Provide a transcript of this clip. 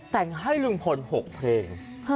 แต่งให้ลุงพล๖เพลง